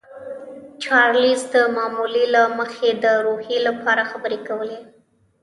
چارلیس د معمول له مخې د روحیې لپاره خبرې کولې